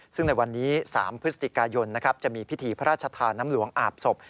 ซึ่งในวันนี้๓พฤศจิกายนจะมีพิธีพระราชทานน้ำหลวงอาบศพ